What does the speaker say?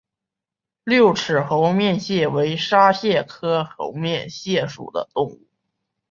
六齿猴面蟹为沙蟹科猴面蟹属的动物。